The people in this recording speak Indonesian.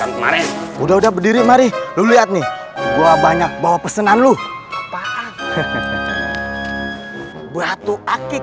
tahun kemarin udah berdiri mari lu lihat nih gua banyak bawa pesanan lu apaan batu akik